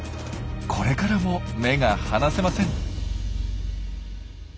これからも目が離せません。